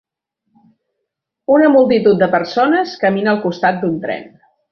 Una multitud de persones camina al costat d'un tren.